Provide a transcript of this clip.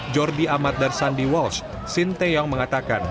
jordi amat dan sandi walsh sinteyong mengatakan